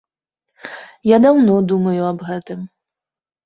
Я даўно думаю аб гэтым.